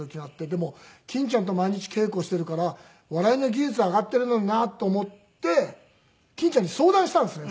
でも欽ちゃんと毎日稽古しているから笑いの技術は上がっているのになと思って欽ちゃんに相談したんですね